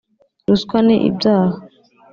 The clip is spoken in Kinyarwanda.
ruswa ni ibyaha